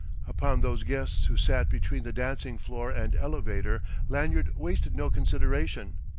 Upon those guests who sat between the dancing floor and elevator, Lanyard wasted no consideration.